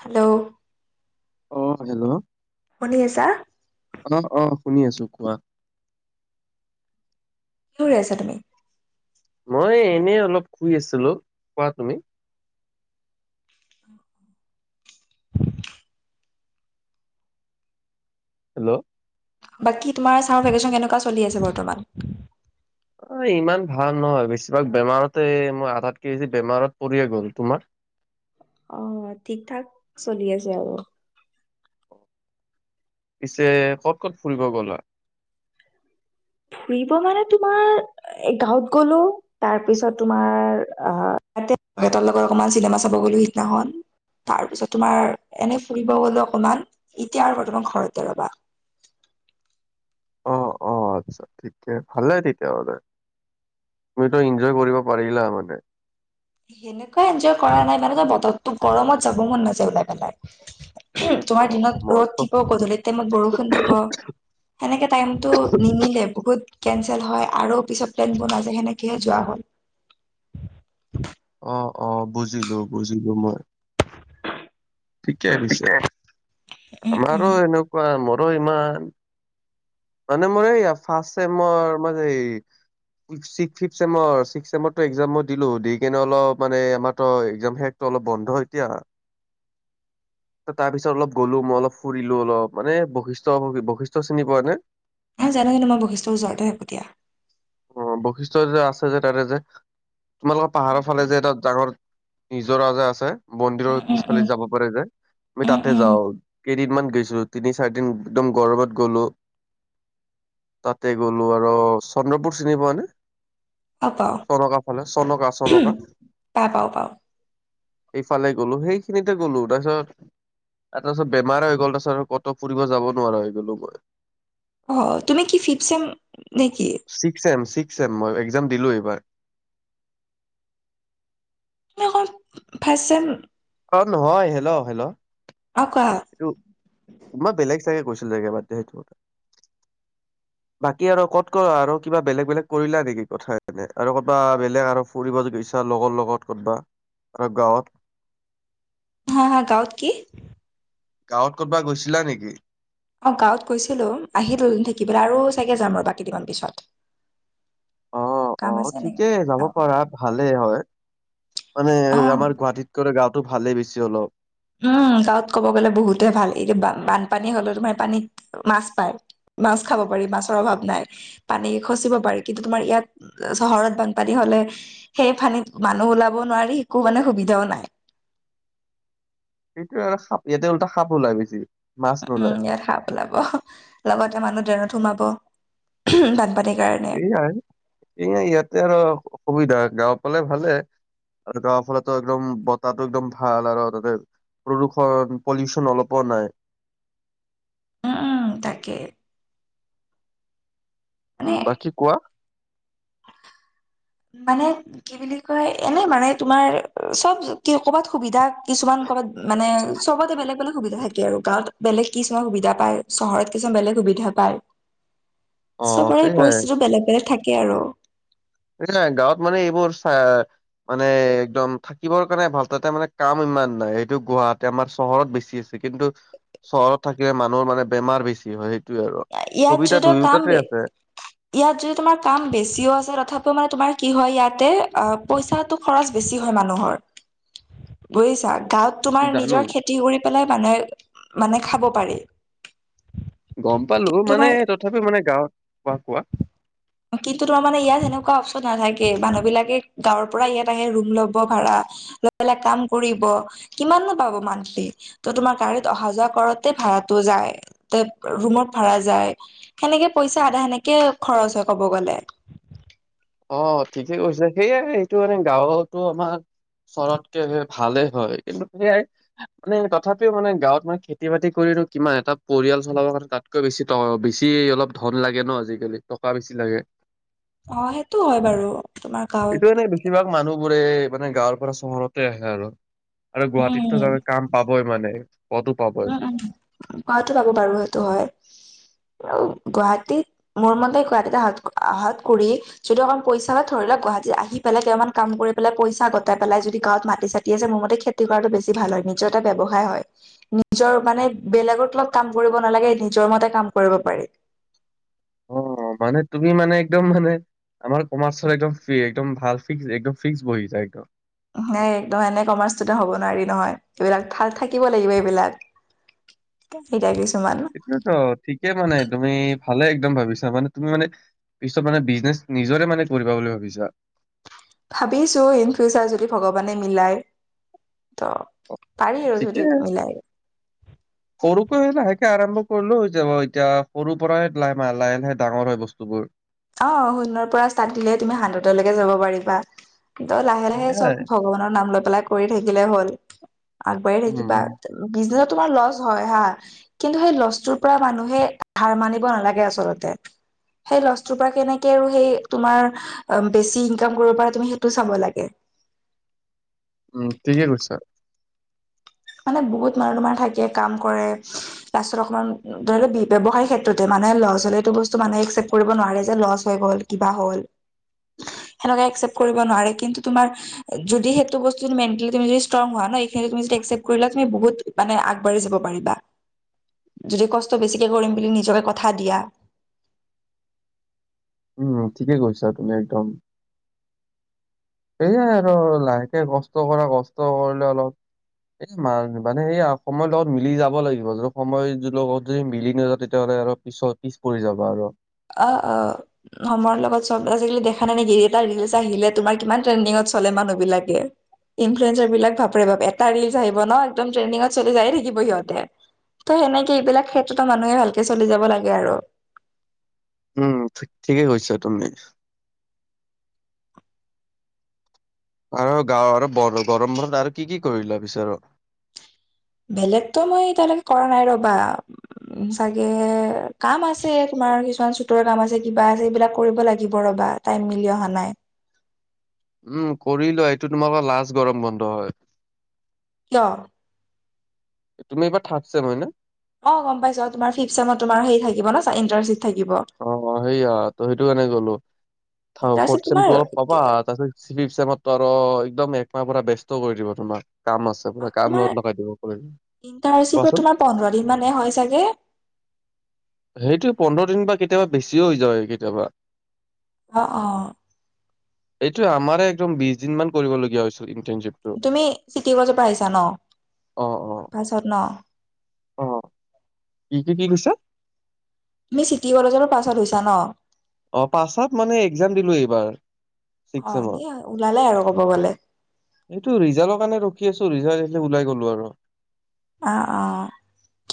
Hello অ hello শুনি আছা? অঁ অঁ শুনি আছো কোৱা। কি কৰি আছা তুমি? মই এনেই অলপ শুই আছিলো, কোৱা তুমি হেল্ল বাকী তোমাৰ চামাৰ ভেকেচন কেনেকুৱা চলি আছে বৰ্তমান? ইমান ভাল নহয় বেছিভাগ বেমাৰতে মই আধাতকে যে বেমাৰত পৰিয়ে গ'ল। তোমাৰ? অঁ ঠিক ঠাক চলি আছে আৰু। পিছে ক'ত ক'ত ফুৰিব গ'লা? ফুৰিব মানে তোমাৰ গাঁৱত গলো। তাৰ পিছত তোমাৰ আহ দেউতা লগত অকমান চিনেমা চাব গলো সিদিনাখন। তাৰপিছত তোমাৰ এনেই ফুৰিব গলো, অকমান এতিয়া আৰু বৰ্তমান ঘৰতে ৰ'বা। অ অ অঁ আচ্ছা ঠিকে ভালে তেতিয়া হলে, তুমিতো এনজয় কৰিব পাৰিলা হয়। সেনেকুৱা এনজয় কৰা নাই, মানে ত বতৰতো গৰমত যাব মন নাযায় ওলাই পেলাই। অ তোমাৰ দিনত ৰ'দ মইতো দিব গধূলিৰ টাইমত বৰষুণ দিব। সেনেকে টাইমটো নিমিলে বহুত কেনঞ্চেল হয় আৰু পিছত প্লেনবোৰ নাযায় সেনেকৈহে যোৱা হ'ল। [unintelligible] অ অ বুজিলো বুজিলো মই। ঠিকে পিছে উম উম আমাৰো এনেকুৱা মোৰো ইমান। মানে মোৰ এই ফাৰ্ষ্ট ছেমৰ। ফম ছিক্ চেমটো এক্জাম মই দিলো দি কিনে অলপ মানে আমাৰো একেযাম শেষ। তটো অলপ বন্ধ হয় এতিয়া। তাৰপিছত অলপ গলো মই অলপ ফুৰিলো অলপ মানে বৈশিষ্ট বৈশিষ্ট্ চিনি পোৱা নে? ন জানে কিন্ত মই বশিৰ ওচৰতে হেকতিয়া। অ বৈশিষ্ট যে আছে যে তাতে যে। তোমালোকৰ উম পাহাৰৰ ফালে যে এটা ডাঙৰ নিজৰা যে আছে মন্দিৰৰ উম উম পিছফালে যাব পাৰে যে। আমি উম তাতে উম যাওঁ কেইদিনমান গৈছো তিনি চাৰি দিন একদম গৰমত গলো। তাতে গ'লো আৰু চন্দ্ৰপুৰ চিনি পোৱা নে? অ পাও চনকা ফালে চনকা চনকা? পা পাও পাও ইফালে গ'লো সেইখিনিতে গ'লো তাৰপিছত। আৰু তাৰপিছত বেমাৰ হৈ গ'ল তাৰাছত কত ফুৰিব যাব নোৱাৰা হৈ গ'লো মই। অ তুমি কি ফিফ চেম নেকি? ছিক্স এম ছিক্স এম মই একজাম দিলো এইবাৰ। অক ভাইছে? অ নহয় হেল্ল' হেল্ল' অ কোৱা এইটো। মই বেলেগ জাগে গৈছিলো জগ বাদে সেইটো। [unintelligible] বাকী আৰু ক'ত ক আৰু কিবা বেলেগ বেলেগ কৰিলা নেকি কথা এনে আৰু ক'বা বেলেগ আৰু। পৰিব গছা লগৰ লগত কৰ'বা আৰু গাঁৱত। হা হা গাঁৱত কি? গাঁৱত কৰ'বাত গৈছিলা নেকি? অ গাঁৱত গৈছিলো আহিলো থাকিবলৈ আৰু চাগে যাম আৰু বাক কেইদিনমান পিছত। অ [unintelligible] অ নেকি ঠিকেই যাব পাৰা ভালে হয় মানে অ আমাৰ গুৱাহাটীত। গাওটো ভালেই বেছি অলপ। উম গাঁৱত ক'ব গ'লে বহুতে ভাল এতিয়া বানপানী হলে তোমাৰ পানীত মাছ পায়। মাছ খাব পাৰি মাছৰ অভাৱ নাই। পানী খচিব পাৰে কিন্তু তোমাৰ ইয়াত চহৰত বানপানী হলে। সেই ফানীত মানুহ ওলাব নোৱাৰি একো মানে সুবিধাও নাই। সেইয় চাবি ইয়াতে উওল্টা সাপ ওলাই বেছি। মাছ উ উম নোলায় ইয়াত সাপ ওলাব লগতে মানুহ ড্ৰেনত সোমাব উ বানপানীৰ কাৰ [unintelligible] এ ইয়াতে আৰু সুবিধা গাঁও পালে ভালে। আৰু গাৰ ফলতো একদম বতাহটো একদম ভাল আৰু তাতে। প্ৰদূষণ পলিউশন অলপো নাই। উম, তাকে। উম, মানে বাকী কোৱা? মানে কি বুলি কয় এনে মানে তোমাৰ চব কি কৰ'বাত সুবিধা কিছুমান ক'ৰবাত মানে চবতে বেলেগ বেলেগ সুবিধা থাকে আৰু গাঁৱত। বেলেগ কিছুমান সুবিধা পায় চহৰত কিছুমান বেলেগ সুবিধা পায় অ চবৰে সেইয়াই পৰিস্থিতি বেলেগ বেলেগ থাকে আৰু গাঁৱত মানে এইবোৰ চ মানে একদম থাকিবৰ কাৰণে ভাল তাতে মানে কাম ইমান নাই সেইটো গুৱাহাটী আমাৰ চহৰত বেছি আছে কিন্তু চহৰত থাকিলে মানুহৰ মানে বেমাৰ বেছি হয় সেইটোৱে আৰু ইয়াত সুবিধা যদি কাম দুয়োটাতে বে আছে ইয়াত যদি তোমাৰ কাম বেছিও আছে তথাপিও মানে তোমাৰ কি হয় ইয়াতে অ পইচাটো খৰচ বেছি হয় মানুহৰ বুজিচা গাৱত তোমাৰ জানো নিজৰ খেতি কৰি পেলাই মানুহে মানে খাব পাৰি গম পালো মানে তোমাৰ তথাপিও মানে গাঁৱত কোৱা কোৱা কিন্তু তোমাৰ মানে ইয়াত সেনেকুৱা অপশচন নাথাকে মানুহবিলাকে গাঁৱৰ পৰা ইয়াত আহে ৰুম ল'ব ভাড়া লৈ পেলাই কাম কৰিব কিমাননো পাব মান্থলি ত তোমাৰ গাড়ীত অহা যোৱা কৰোতে ভাড়াটো যায় ৰুমত ভাড়া যায় সেনেকে পইচা আধা সেনেকে খৰচ হয় কব গলে অ ঠিকে কৈছে সেয়ে এইটো মানে গাঁৱতো আমাৰ চহৰতকে ভালেই হয় কিন্তু সেয়াই মানে তথাপিও মানে গাঁৱত মানে খেতি বাতি কৰিনো কিমান এটা পৰিয়াল চলাব কাৰণে তাত তকৈ বেছি টকা বেছি অলপ ধন লাগে ন আজিকালি টকা বেছি লাগে অ সেইটো হয় বাৰু তোমাক এইটো এনেই বেছিভাগ মানুহবোৰে মানে গাঁৱৰ পৰা চহৰতে আহে আৰু আৰু গুৱাহাটীতো উম যানই কাম পাবই মানে পদো পাব উম উম পোৱাতো পাব বাৰু সেইটো হয় আৰু গুৱাহাটীত মোৰ মতে গুৱাহাটীত অহা-অহাত কৰি যদি অকণমান পইচা হয় ধৰি লও গুৱাহাটী আহি পেলাই কেইমাহমান কাম কৰি পেলাই পইচা গোটাই পেলাই যদি গাৱত মাটি চাতি আছে মোৰ মতে খেত খেতি কৰাটো বেছি ভাল হয় নিজৰ এটা ব্যৱসায় হয় নিজৰ মানে বেলেগৰ তলত কাম কৰিব নালাগে নিজৰ মতে কাম কৰিব পাৰি অ মানে তুমি মানে একদম মানে আমাৰ কমাৰ্চৰ একদম ফ্ৰি একদম ভাল ফ্ৰীক একদম ফিক্স বহিছা একদম হেই একদম মানে কমাৰ্চ ইচতোদেন হ'ব নোৱাৰি নহয় এইবিলাক থা থাকিব লাগিব এইবিলাক এতিয়া কিছুমান সেইটোৱে ত ঠিকে মানে তুমি ভালে একদম ভাবিছা মানে তুমি মানে পিছত মানে বিজনেছ নিজৰে মানে কৰিব বুলি ভাবিছা ভাবিছো ইন ফিউচাৰ যদি ভগৱানে মিলাই ত পাৰি আৰু ঠিকে যদি মিলাই সৰুকৈ লাহেকে আৰম্ভ কৰিলেও হৈ যাব এতিয়া সৰুৰ পৰাই লাইমাহ লাহে লাহে ডাঙৰ হয় বস্তুবোৰ অ শূণ্যৰ পৰা ষ্টাৰ্ট দিলেহে তুমি হাণ্ড্ৰেতলৈকে যাব পাৰিবা ত লাহে লাহে চব সেয়াই ভগৱানৰ নাম লৈ পেলাই কৰি থাকিলে হল আগবাঢ়ি উম থাকিবা উম বিজনেচত তোমাৰ লছ হয় হা। কিন্তু সেই লছটোৰ পৰা মানুহে হাৰ মানিব নালাগে আচলতে সেই লছ টোৰ পৰা কেনেকে আৰু সেই তোমাৰ বেছি ইনকাম কৰিব পৰা তুমি সেইটো চাব লাগে উম ঠিকে কৈছা মানে বহুত মানুহ তোমাৰ থাকে কাম কৰে লাষ্টত অকমান ধৰি ল ব্যৱসায় ক্ষেত্ৰতে মানুহে লছ হলেটো এইটো বস্তু মানুহে একচেপ্ট কৰিব নোৱাৰে যে লছ হৈ গ'ল কিবা হ'ল সেনেকে একচেপ্ট কৰিব নোৱাৰে কিন্তু তোমাৰ যদি সেইটো বস্তু মেণ্টেলিটি তুমি যদি ষ্টং হোৱা ন এইখিনি তুমি যদি একচেপ্ট কৰিলা তুমি বহুত মানে আগবাঢ়ি যাব পাৰিবা যদি কষ্ট বেছিকে কৰিম বুলি নিজকে কথা দিয়া উম ঠিকে কৈছা তুমি একদম। সেয়াই আৰু লাহেকে কষ্ট কৰা কষ্ট কৰিলে অলপ এই ম -মানে এই সময়ৰ লগত মিলি যাব লাগিব যদি সময় লগত যদি মিলি নাযাওঁ তেতিয়াহ'লে আৰু পিছত পিছ পৰি যাবা আৰু। আ, অ'। সময়ৰ লগত চব আজিকালি দেখা নাই নেকি এটা ৰিলচ আহিলে তোমাৰ কিমান ট্ৰেণ্ডিঙত চলে মানুহ বিলাকে। ইনফ্লুৱেঞ্চাৰ বিলাক বাপৰে বাপ এটা ৰিলজ আহিব ন একদম ট্ৰেণ্ডিঙত চলি যায়ে থাকিব সিহঁতে। ত' সেনেকে এইবিলাক ক্ষেত্ৰতো মানুহে ভালকে চলি যাব লাগে আৰু। উম ঠিকেই কৈছা তুমি। আৰু গাৱঁৰ গৰম বন্ধত আৰু কি কি কৰিলা পিছত আৰু? বেলেগতো মই এতিয়ালৈকে কৰা নাই ৰ'বা। উম চাগে কাম আছে তোমাৰ কিছুমান চুটৰ কাম আছে কিবা আছে এইবিলাক কৰিব লাগিব ৰ'বা। টাইম মিলি অহা নাই। উম কৰিলোৱা এইটো তোমালোকৰ লাষ্ট গৰম বন্ধ হয়। কিয়? তুমি এইবাৰ থাৰ্দ ছেম হয় ন? অ' গম পাইছোঁ তোমাৰ ফিফ চছেমত তোমাৰ সেই থাকিব ইন্টাশ্বিপ থাকিব। অ' সেইয়া সেইটো কাৰণে ক'লো, ইণ্টাৰ্ণশ্বিপ ফৰ্দ তোমাৰ চেমটোত পাবা তাৰপাছত ছিস্ক চেমট টো আৰু একদম একমাহ পুৰা ব্যস্ত কৰি দিব তোমাৰ কাম আছে। অ, তাৰপৰা কাম তোমাৰ লগত লগাই দিব পাৰে, ইণ্টাৰ্ণশ্বিপত কোৱাচোন? তোমাৰ পোন্ধৰ দিন মানে হয় চাগে সেইটো পোন্ধৰ দিন বা কেতিয়াবা বেছিও হৈ যায় কেতিয়াবা। অ' অ'। এইটো আমাৰে একদম বিশ দিন মান কৰিবলগীয়া হৈছিল ইণ্টাৰ্ণশ্বিপ। তুমি চিটি কলেজৰ পৰা আহিছা ন? অ অ পাছত ন? অ কি, কি, কি কৈছা? তুমি চিটি কলেজৰ পাছ আউট হৈছা ন? অ' পাছ আউট মানে একজাম দিলো এইবাৰ, ছিক্স অ চেমৰ। এ ওলালে আৰু ক'ব গ'লে এইটো ৰিজাল্ট কাৰণে ৰখি আছোঁ, ৰিজাল্ট আহিলে ওলাই গ'লো আৰু। অ'অ'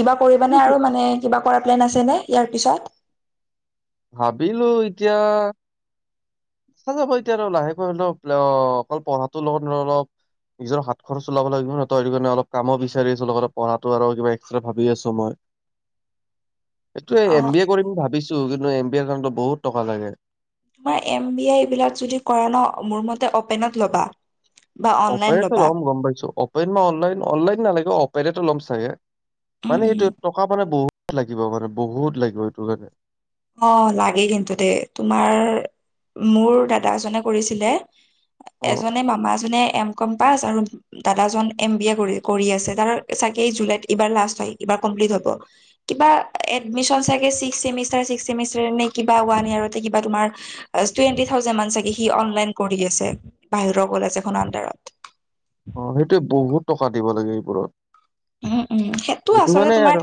কিবা কৰিবানে এইটো আৰু মানে কিবা কৰা প্লেন আছে নে ইয়াৰ পিছত? ভাবিলোঁ এতিয়া কৰা যাব এতিয়া আৰু লাহেকৈ অলপ অকল পঢ়াতো লগত অলপ নিজৰ হাত খৰচ ওলাব লাগিব নহয় তই সেইটো কাৰণে অলপ কামো বিচাৰি আছোঁ লগতে পঢ়াটো আৰু কিবা এক্সট্ৰা ভাবি আছোঁ মই। [inaudible] এইটোয়ে অ এম বি এ কৰিম বুলি ভাবিছোঁ কিন্তু এম বি এৰ কাৰণে বহুত টকা লাগে। তোমাৰ এম বি আই এই বিলাক যদি কৰা নহয় মোৰ মতে অপেনত ল'বা। বা অনলাইন অপেনটো ল'বা ল'ম গম পাইছোঁ অপেন অনলাইন অনলাইন নালাগে অপেনতে ল'ম ছাগে। উম মানে উম সেইটো টকা মানে বহুত লাগিব মানে বহুত লাগিব সেইটো টো কাৰণে অ' লাগে কিন্তু দেই তোমাৰ মোৰ দাদা এজনে কৰিছিলে। অ এজনে মামাজনে এম কম পাছ আৰু দাদাজন এম বি এ কৰি কৰি আছে তাৰ চাগে জুলাইত এইবাৰ লাষ্ট হয় এইবাৰ কমপ্লিট হব। কিবা এডমিশন চাগে চিস্ক চেমিষ্টাৰ চিস্ক চেমিষ্টাৰ নে কিবা ওৱান ইয়েৰতে কিবা তোমাৰ টুৱেণ্টি থাউজেড মান চাগে সি অনলাইন কৰি আছে বাহিৰৰ কলেজ এখন আণ্ডাৰত। অ' সেইটোৱে বহুত টকা দিব লাগে এইবোৰত। উম উম সেইটো আচলতে কাৰণে তোমাৰ আৰু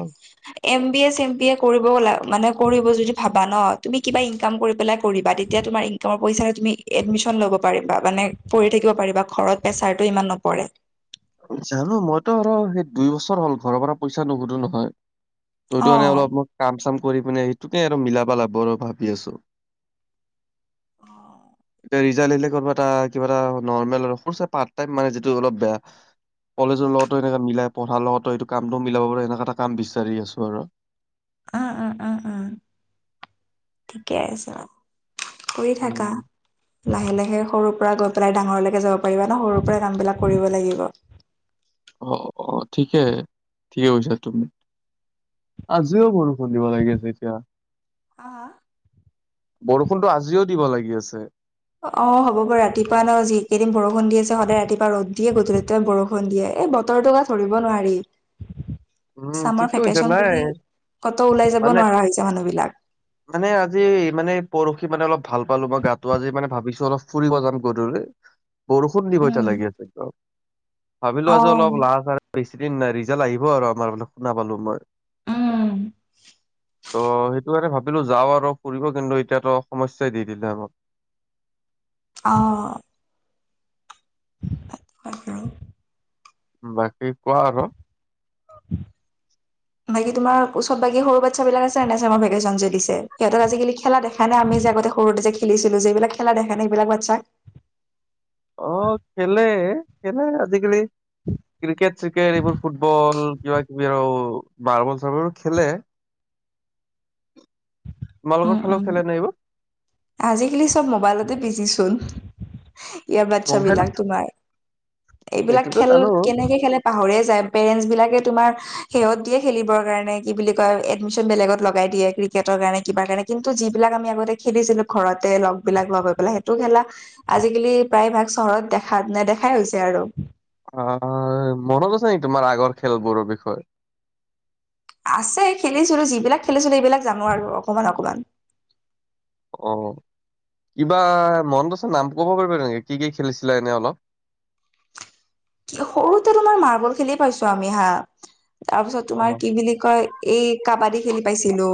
M B A sem B A কৰিবা মানে কৰিব যদি ভাবা ন তুমি কিবা ইনকাম কৰি পেলাই কৰিবা তেতিয়া তোমাৰ তোমাৰ পইচাৰে তুমি এডমিশ্যন ল'ব পাৰিবা মানে পঢ়ি থাকিব পাৰিবা ঘৰত প্ৰেছাৰটো ইমান নপৰে। জানো মইতো আৰু সেই দুই বছৰ হ'ল ঘৰৰ পৰা পইচা নোখোজোঁ নহয়। তইটো অ মানে অলপ মই কাম চাম কৰি পিনে সেইটোকে আৰু মিলাব লাগিব আৰু ভাবি আছো। অঁ [unintelligible] ৰিজাল্টিলে কব এটা কিবা এটা পাৰ্ত টাইম মানে যিটো অলপ বেয়া। কলেজৰ লগতো এনেকাই মিলাই পঢ়াৰ লগতো এইটো কামটো মিলাব পাৰো এনেকোৱা এটা কাম বিচাৰি আছো আৰু। অ অ অ অ উ ঠিকে আছে। শুই থাকা। উম, লাহে লাহে সৰুৰ পৰা গৈ পেলাই ডাঙৰলৈকে যাব পাৰিবা ন সৰুৰ পৰাই কাম বিলাক কৰিব লাগিব। অ অ ঠিকে ঠিকে কৈছা তুমি, আজিও কৰো। খুন্দিব লাগে যেতিয়া। আ। বৰষুণটো আজিও দিব লাগি আছে। অ হ'ব বাৰু ৰাতিপুৱা ন যি কেইদিন বৰষুণৰ দি আছে সদায় ৰাতিপুৱা ৰদ দিয়ে গধূলিতে বৰষুণ। দিয়ে। এই বতৰটো ধৰিব নোৱাৰি। উম চামৰ ঠিকে কৈছা ভেকেশচন নাই বুলি কটো ওলাই যাব মানে নোৱাৰা হৈছে মানুহ বিলাক। মানে আজি মানে পৰহি মানে অলপ ভাল পালো মই গাটো। আজি মানে ভাবিছো অলপ ফুৰিব যাম গধূলি। [inaudible] বৰষুণ দিব এতিয়া উম, লাগি আছে। ভাবিলো আজি অ', অলপ লাল চাহ বেছি দিন নাই। ৰিজাল্ট আহিব আৰু আমাৰ ফাল শুনা পালো মই। উম, ত' সেইটো এটা ভাব ভাবিলো যাও, আৰু ফুৰিব কিন্তু এতিয়াতো সমস্যাই দি দিলে আমাক অঁ। [unintelligible] বাকী কোৱা আৰু [inaudible] বাকী তোমাৰ ওচৰত বাকী সৰু বাচ্ছা বিলাক আছে নে নাই চামাৰ ভেকেচন যে দিছে। সিহঁতক আজিকালি খেলা দেখা নাই আমি আগতে সৰুতে যে খেলিছিলো। যে এইবিলাক খেলা দেখা নাই এই বিলাক বাচ্চক অ খেলে। খেলে আজিকালি ক্ৰিকেট চ্ৰিকেট এইবোৰ ফুটবল কিবা কিবি আৰু মাৰ্বল চাৰ্বলো খেলে। তোমালোকৰ উম, ফালে উম, খেলেনে এইবোৰ। আজিকালি চব মোবাইলতে বিজি চোন। ইয়াৰ বাচ্ছ বিলাক মোবাইলত তোমাৰ। এইবিলাক এইটোতো খেল জানো কেনেকে খেলে পাহৰীয়ে যায়, পেৰেন্ছ বিলাকে তুমাৰ হিহঁতিয়ে দিয়ে খেলিবৰ কাৰণে কি বুলি কয় এডমিশন বেলেগত লগাই দিয়ে। ক্ৰিকেটৰ কাৰণে কিবা কাৰণে কিন্তু যিবিলাক আমি আগতে খেলিছিলো ঘৰতে লগবিলাক লগ হৈ পেলাই সেইটো খেলা। আজিকালি প্ৰায়ভাগ চহৰত দেখা নেদেখাই হৈছে আৰু। অ অ মনত আছে নেকি তোমাৰ আগৰ খেলবোৰৰ বিষয়ে? আছে খেলিছিলো যিবিলাক খেলিছিলো সেইবিলাক জানো আৰু অকমান অকমান। অ কিবা মনত আছে নামটো ক'ব পাৰিব নেকি কি কি খেলিছিলে এনেই অলপ। কি সৰুতে তোমাৰ মাৰ্বল খেলি পাইছো আমি হা। তাৰ পিছত অ তোমাৰ কি বুলি কয়? এই কাবাডী খেলি পাইছিলো।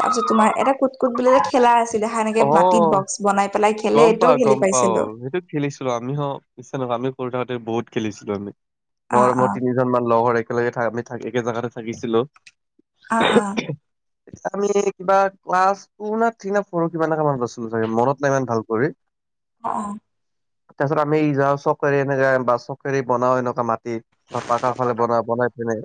তাৰ পিছত তোমাৰ এটা কুট কুট বুলি যে খেলা আছিলে সেনেকে অহ মাটিত বস বনাই পেলাই খেলে। গম পাওঁ এইটোও গম খেলি পাওঁ পাইছিলো। সেইটো খেলিছিলো আমিও হোষ্টেলত আমি পঢ়ি থাকোতে বহুত খেলিছিলো আমি মৰমৰ তিনি কেইজনমান লগৰ একেলগে থা আমি একে জাগাতে থাকিছিলো। আহ আহ আমি কিবা ক্লাছ টু না থ্ৰী না ফ'ৰ কিমানত পঢ়িছিলোঁ ছাগে মনত নাই ইমান ভাল কৰি অহঁ তাৰ পিছত আমি যাওঁ চকেৰি এনেকাে বা চকেৰি বনাও এনেকুৱা মাটিত। বা পাকাৰ ফালে বনাই বনাই পিনে।